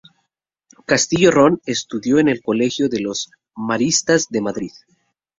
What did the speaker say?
Castillo Ron estudió en el Colegio de los Maristas de Madrid.